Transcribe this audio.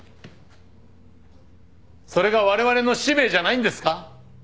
それがわれわれの使命じゃないんですか？